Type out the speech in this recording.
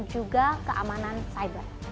dan juga keamanan cyber